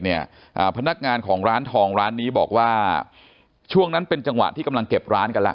อ่าพนักงานของร้านทองร้านนี้บอกว่าช่วงนั้นเป็นจังหวะที่กำลังเก็บร้านกันแล้ว